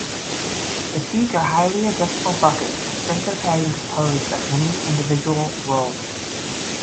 The seats are highly adjustable buckets with centre padding composed of many individual 'rolls'.